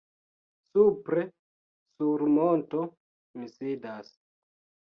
Supre, sur monto, mi sidas.